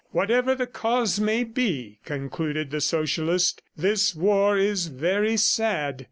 "Whatever the cause may be," concluded the Socialist, "this war is very sad.